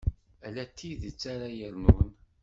Ala tidet ara yernun.